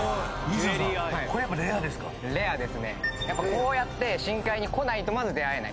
こうやって深海に来ないとまず出合えない。